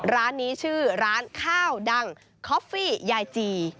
ร้านนี้ชื่อร้านข้าวดังคอฟฟี่ยายจี